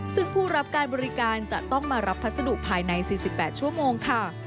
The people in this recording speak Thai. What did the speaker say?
ซึ่งผู้รับการบริการจะต้องมารับพัสดุภายใน๔๘ชั่วโมงค่ะ